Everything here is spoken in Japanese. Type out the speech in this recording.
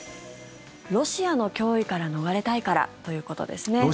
ロシアの脅威から逃れたいからということですね。